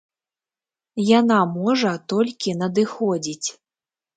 Яна можа толькі надыходзіць.